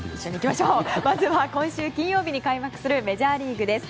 まず今週金曜日に開幕するメジャーリーグ。